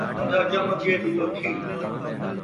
اندھا کیا منگے، ݙو اکھیں